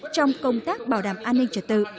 trong công tác bảo đảm an ninh trật tự